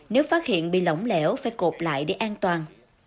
nếu phát hiện bị lỏng lẻo phải cột lại để an toàn